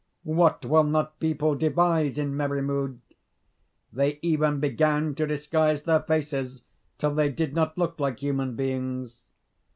What will not people devise in merry mood? They even began to disguise their faces till they did not look like human beings.